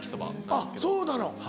あっそうなの。